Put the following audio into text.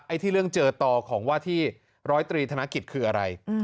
ที่เรื่องเจอต่อของว่าที่ร้อยตรีธนกิจคืออะไร